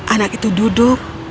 anak itu duduk